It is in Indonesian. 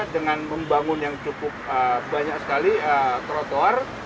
dengan membangun yang cukup banyak sekali trotoar